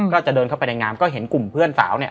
ก็จะเดินเข้าไปในงามก็เห็นกลุ่มเพื่อนสาวเนี่ย